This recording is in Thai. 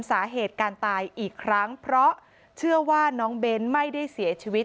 สาเหตุการตายอีกครั้งเพราะเชื่อว่าน้องเบ้นไม่ได้เสียชีวิต